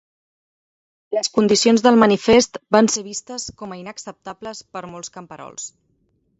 Les condicions del manifest van ser vistes com a inacceptables per molts camperols.